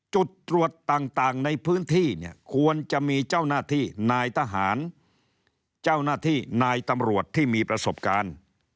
จุดตรวจต่างในพื้นที่เนี่ยควรจะมีเจ้าหน้าที่นายทหารเจ้าหน้าที่นายตำรวจที่มีประสบการณ์